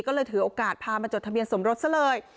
ก็เลยถือโอกาสพามาจดทะเบียนสมรสซะเลย